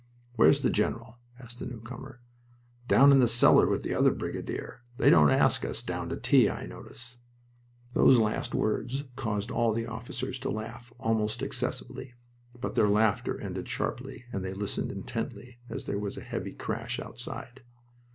"Where's the general?" asked the newcomer. "Down in the cellar with the other brigadier. They don't ask us down to tea, I notice." Those last words caused all the officers to laugh almost excessively. But their laughter ended sharply, and they listened intently as there was a heavy crash outside.